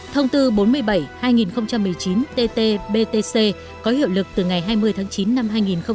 thông tư bốn mươi bảy hai nghìn một mươi chín tt btc có hiệu lực từ ngày hai mươi tháng chín năm hai nghìn một mươi chín